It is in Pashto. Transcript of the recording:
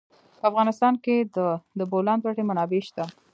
په افغانستان کې د د بولان پټي منابع شته.